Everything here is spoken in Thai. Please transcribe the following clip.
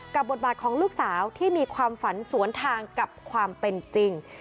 บทบาทของลูกสาวที่มีความฝันสวนทางกับความเป็นจริง